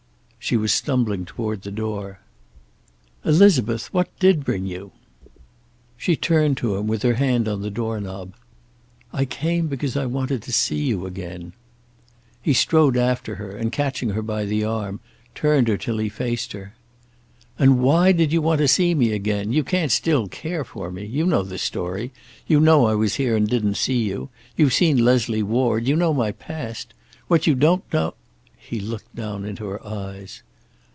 She was stumbling toward the door. "Elizabeth, what did bring you?" She turned to him, with her hand on the door knob. "I came because I wanted to see you again." He strode after her and catching her by the arm, turned her until he faced her. "And why did you want to see me again? You can't still care for me. You know the story. You know I was here and didn't see you. You've seen Leslie Ward. You know my past. What you don't know " He looked down into her eyes.